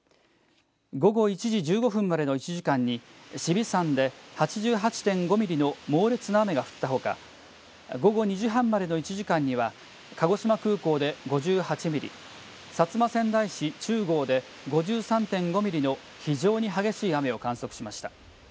午後１時１５分までの１時間に紫尾山で８８．５ミリの猛烈な雨が降ったほか午後２時半までの１時間には鹿児島空港で５８ミリ薩摩川内市中郷で５３．５ミリの非常に激しい雨を観測しました。